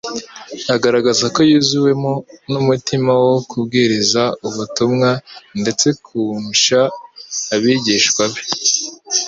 Agaragaza ko yuzuwemo n'umutima wo kubwiriza ubutumwa ndetse kumsha abigishwa be.